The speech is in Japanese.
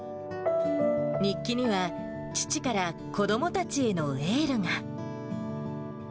日記には、父から子どもたちへのエールが。